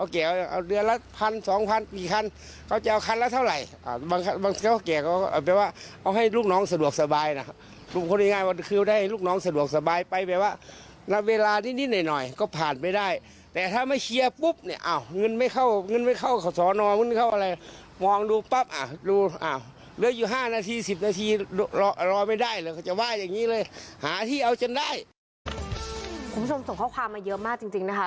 คุณผู้ชมส่งข้อความมาเยอะมากจริงนะคะ